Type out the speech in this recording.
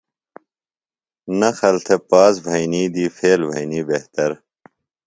نقل تھےۡ پاس بھئینی دی فیل بھئینی بہتر۔